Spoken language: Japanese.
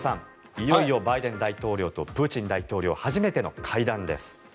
いよいよバイデン大統領とプーチン大統領初めての会談です。